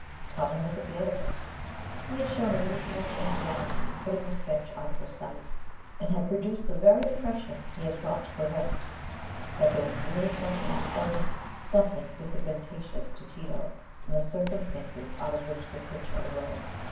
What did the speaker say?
"Come and look at the Oedipus." He had shown a little too much anxiety in putting the sketch out of her sight, and had produced the very impression he had sought to prevent—that there was really something unpleasant, something disadvantageous to Tito, in the circumstances out of which the picture arose.